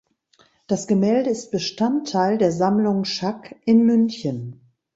Das Gemälde ist Bestandteil der Sammlung Schack in München.